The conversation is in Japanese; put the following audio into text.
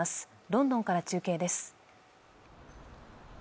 ロンドンから中継です